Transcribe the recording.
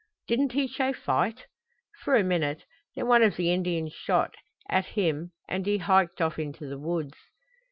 "Didn't he show fight?" "For a minute. Then one of the Indians shot, at him and he hiked off into the woods."